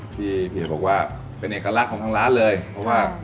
พี่เฮียบอกว่าเป็นเอกลักษณ์ของทางร้านเลยเพราะว่า